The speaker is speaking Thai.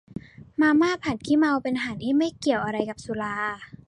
มาม่าผัดขี้เมา เป็นอาหารที่ไม่เกี่ยวอะไรกับสุรา